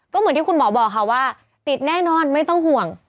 ก็เหมือนที่คุณหมอบอกค่ะว่าติดแน่นอนไม่ต้องห่วง